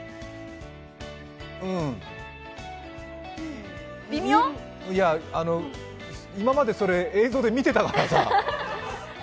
うん、いや、今までそれ映像で見てたからさ。